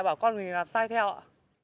bảo con mình làm sai theo ạ